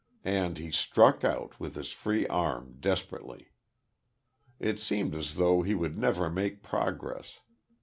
And he struck out, with his free arm, desperately. It seemed as though he would never make progress.